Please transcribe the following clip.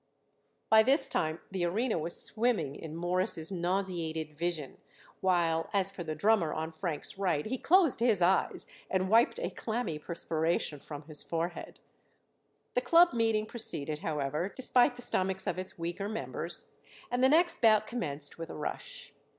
By this time the arena was swimming in Morris' nauseated vision, while, as for the drummer on Frank's right, he closed his eyes and wiped a clammy perspiration from his forehead. The club meeting proceeded, however, despite the stomachs of its weaker members, and the next bout commenced with a rush.